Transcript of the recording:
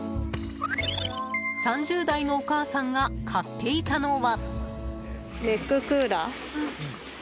３０代のお母さんが買っていたのは。